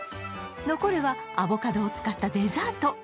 残るはアボカドを使ったデザート！